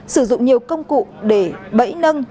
sử dụng nhiều công cụ để bẫy nâng